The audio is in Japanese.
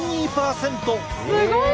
すごい！